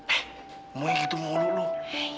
eh mau gitu ngeluk luki